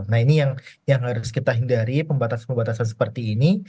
nah ini yang harus kita hindari pembatasan pembatasan seperti ini